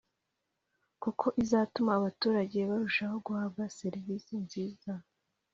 kuko izatuma abaturage barushaho guhabwa serivise nziza